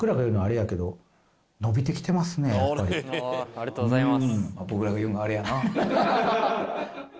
「ありがとうございます」